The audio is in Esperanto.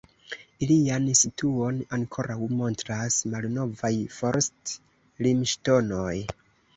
Ilian situon ankoraŭ montras malnovaj forst-limŝtonoj.